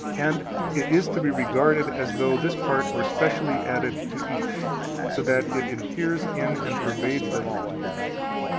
And it is to be regarded as though this part were specially added to each, so that it inheres in, and pervades, them all.